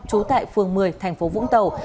chú tại phường một mươi thành phố vũng tàu